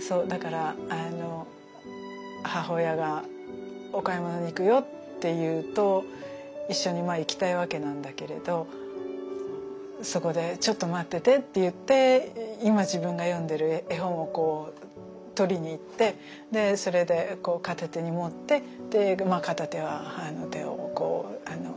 そうだから母親がお買い物に行くよって言うと一緒に行きたいわけなんだけれどそこでちょっと待っててって言って今自分が読んでる絵本をこう取りに行ってそれで片手に持って片手は手をつないでっていう。